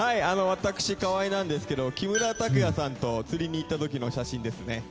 私、河合なんですけど木村拓哉さんと釣りに行った時の写真ですね。